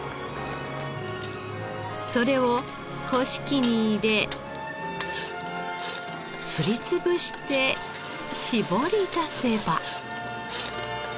それをこし器に入れすり潰して搾り出せば。